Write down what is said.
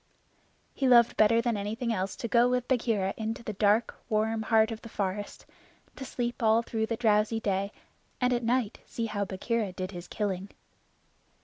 He loved better than anything else to go with Bagheera into the dark warm heart of the forest, to sleep all through the drowsy day, and at night see how Bagheera did his killing.